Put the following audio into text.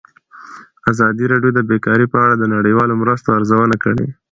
ازادي راډیو د بیکاري په اړه د نړیوالو مرستو ارزونه کړې.